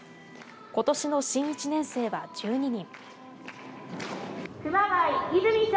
ことしの新１年生は１２人。